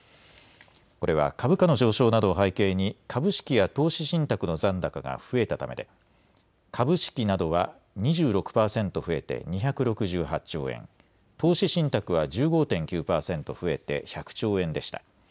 これは株価の上昇などを背景に株式や投資信託の残高が増えたためで株式などは２６％増えて２６８兆円、投資信託は１５．９％増えて１００兆円でした。